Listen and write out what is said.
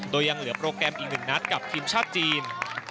โดยยังเหลือโปรแกรมอีก๑นัดกับทีมชาติจีน